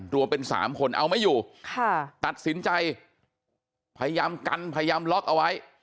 รวมเป็น๓คนเอาไม่อยู่ตัดสินใจพยายามกันพยายามล็อกเอาไว้